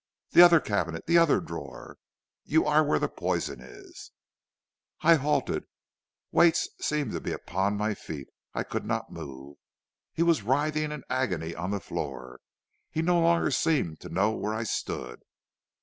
'The other cabinet, the other drawer; you are where the poison is.' "I halted; weights seemed to be upon my feet; I could not move. He was writhing in agony on the floor; he no longer seemed to know where I stood.